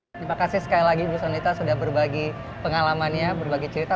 terima kasih sekali lagi ibu sonita sudah berbagi pengalamannya berbagi cerita